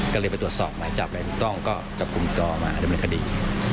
ก็เลยไปตรวจสอบเมื่อจับอะไรถึงต้องก็จับกลุ่มกรมาให้เป็นคดี